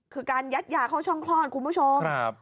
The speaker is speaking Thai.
คือการยัดยาเข้าช่องคลอดคุณผู้ชม